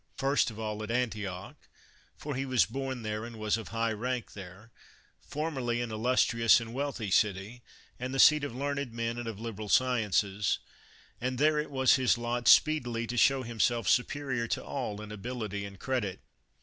First of all at Antioch (for he was born there, and was of high rank there), formerly an illustrious and wealthy city, and the seat of learned men and of liberal sciences ; and there it was his lot speed ily to show himself superior to all in ability and credit.